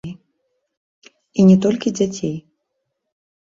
І не толькі дзяцей.